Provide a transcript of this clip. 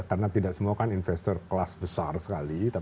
karena tidak semua kan investor kelas besar sekali